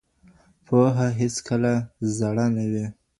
پوهه هېڅکله زړه نه وي.